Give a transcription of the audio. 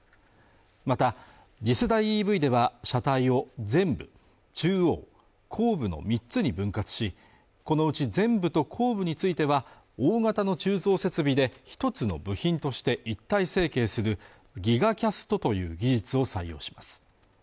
また次世代ＥＶでは車体を前部中央、後部の３つに分割しこのうち前部と後部については大型の鋳造設備で一つの部品として一体成型するギガキャストという技術を採用します